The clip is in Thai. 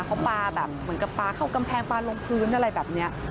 เขาปลาแบบเหมือนกับปลาเข้ากำแพงปลาลงพื้นอะไรแบบนี้